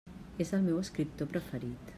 És el meu escriptor preferit.